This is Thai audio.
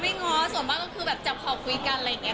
ง้อส่วนมากก็คือแบบจับขอบคุยกันอะไรอย่างนี้